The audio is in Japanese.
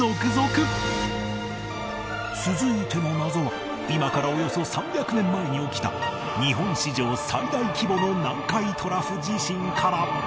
続いての謎は今からおよそ３００年前に起きた日本史上最大規模の南海トラフ地震から